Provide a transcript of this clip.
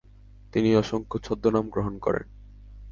তিনি অসংখ্য ছদ্মনাম গ্রহণ করেন।